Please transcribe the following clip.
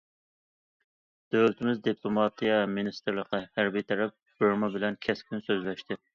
دۆلىتىمىز دىپلوماتىيە مىنىستىرلىقى، ھەربىي تەرەپ بىرما بىلەن كەسكىن سۆزلەشتى.